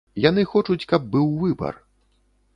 Яны хочуць, каб быў выбар.